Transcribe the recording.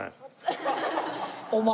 お前。